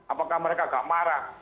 apakah mereka tidak marah